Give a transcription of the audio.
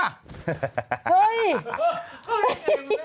เฮ้ย